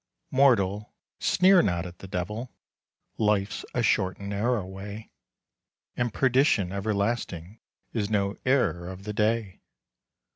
Mortal, sneer not at the devil; Life's a short and narrow way, And perdition everlasting Is no error of the day.